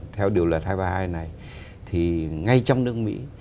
theo điều luật hai trăm ba mươi hai này thì ngay trong nước mỹ